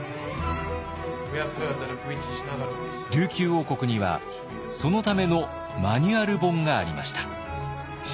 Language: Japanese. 琉球王国にはそのためのマニュアル本がありました。